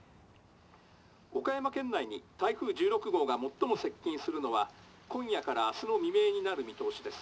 岡山県内に台風１６号が最も接近するのは今夜から明日の未明になる見通しです」。